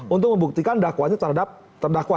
untuk membuktikan dakwaannya terhadap terdakwa